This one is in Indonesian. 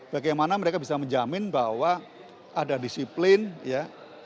bagaimana mereka bisa menjamin bahwa ada disiplin ya